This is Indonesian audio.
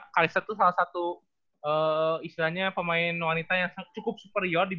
kaleser itu salah satu istilahnya pemain wanita yang cukup superior